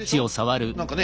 何かね